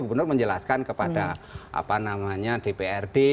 gubernur menjelaskan kepada apa namanya dprd